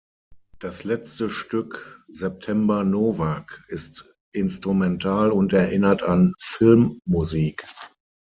Das letzte Stück, „September Nowak“"," ist instrumental und erinnert an Filmmusik.